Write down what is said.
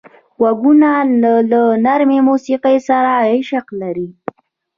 غوږونه له نرمه موسیقۍ سره عشق لري